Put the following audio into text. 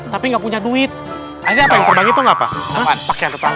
tapi gak punya duit ada yang terbang itu gak pak pak kean rupang